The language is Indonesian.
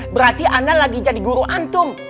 berarti anda lagi jadi guru antum